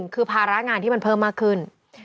คือภาระงานที่มันเพิ่มมากขึ้น